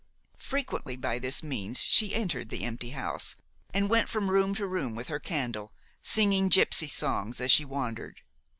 Frequently by this means she entered the empty house, and went from room to room with her candle, singing gypsy songs as she wandered.